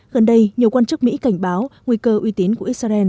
gần đây nhiều quan chức mỹ cảnh báo nguy cơ uy tín của israel